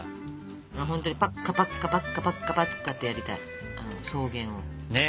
ほんとにパッカパッカパッカパッカパッカってやりたい草原を。